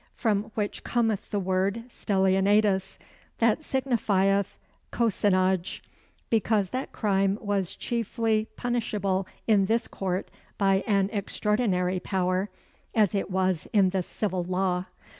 From which cometh the word stellionatus, that signifieth cosenage; because that crime was chiefly punishable in this Court by an extraordinary power, as it was in the civil law.